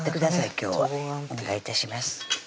今日はお願い致します